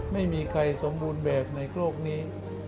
ไม่มีใครสมบูรณ์แบบในโลกนี้